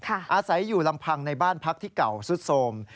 อาศัยอยู่ลำพังในบ้านพักที่เก่าสุดโสม